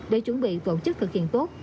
để chuẩn bị tổ chức thực hiện tốt